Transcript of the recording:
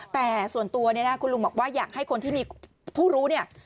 แต่ส่วนตัวเนี่ยนะคุณลุงบอกว่าอยากให้คนที่มีผู้รู้เนี่ย